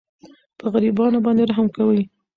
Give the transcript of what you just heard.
په غریبانو باندې رحم کوئ.